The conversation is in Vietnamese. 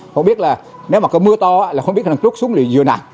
không biết là nếu mà có mưa to không biết là lúc xuống là vừa nào